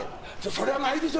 それはないでしょ？